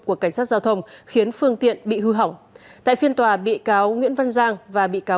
của cảnh sát giao thông khiến phương tiện bị hư hỏng tại phiên tòa bị cáo nguyễn văn giang và bị cáo